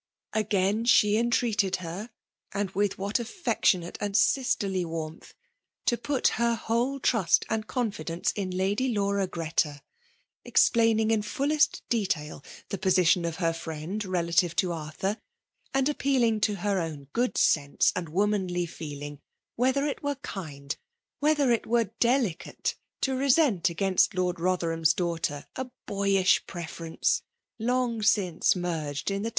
Again she entreated her, — and with whaC affectionate and sisterly warmth, — ^to put her whole trust and confidence in Lady Laura Greta ; explaining in fullest detail the position of her firiend relative to Arthur, and appesdiag* to her own good sense and womanly feeling;^ wheUior it were kind, whether it were deUcai^ to resent against Lord Botherham*e dan^ktetf a boyish prrference, long since merged in the.